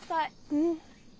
うん。